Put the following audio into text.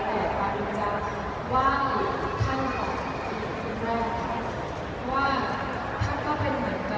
แหละก็จำได้เองเป็นกำลังว่า